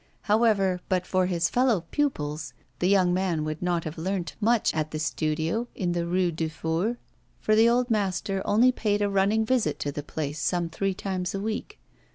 However, but for his fellow pupils, the young man would not have learnt much at the studio in the Rue du Four, for the master only paid a running visit to the place some three times a week.